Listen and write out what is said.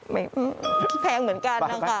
แพงเหมือนกันนะคะ